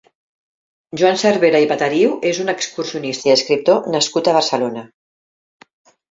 Joan Cervera i Batariu és un excursionista i escriptor nascut a Barcelona.